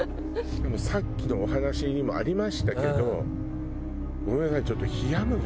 さっきのお話にもありましたけどごめんなさい冷麦で。